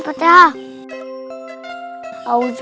baiklah kita kumpul di sini